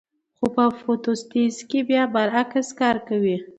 خو په فتوسنتیز کې بیا برعکس کار کوي